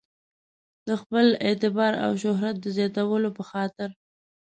د خپل اعتبار او شهرت د زیاتولو په خاطر.